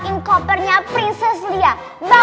yang terserah prinsip dia lah